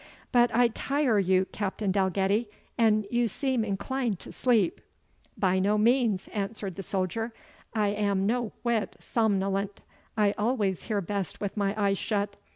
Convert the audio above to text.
But I tire you, Captain Dalgetty, and you seem inclined to sleep." "By no means," answered the soldier; "I am no whit somnolent; I always hear best with my eyes shut.